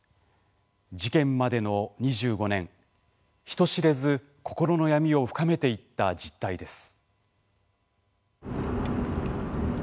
事件までの２５年人知れず心の闇を深めていった実態です。